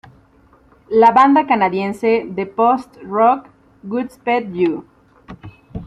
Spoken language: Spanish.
La banda canadiense de post-rock Godspeed You!